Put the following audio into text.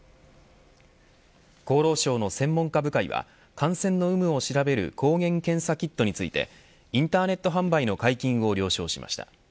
厚労省の専門家部会は感染の有無を調べる抗原検査キットについてインターネット販売の解禁を了承しました。